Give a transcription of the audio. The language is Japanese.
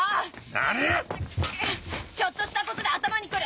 何⁉ちょっとしたことで頭にくる！